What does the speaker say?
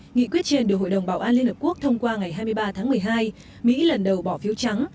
nghị quyết trên được hội đồng bảo an liên hợp quốc thông qua ngày hai mươi ba tháng một mươi hai mỹ lần đầu bỏ phiếu trắng